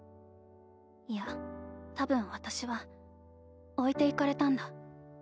いやたぶん私は置いていかれたんだ。